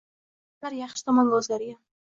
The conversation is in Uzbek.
Munosabatlar yaxshi tomonga oʻzgargan.